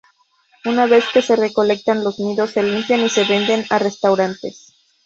Una vez que se recolectan los nidos, se limpian y se venden a restaurantes.